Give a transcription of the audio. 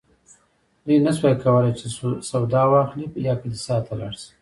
دوی نه شوای کولی چې سودا واخلي یا کلیسا ته لاړ شي.